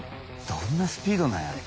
どんなスピードなんやろ。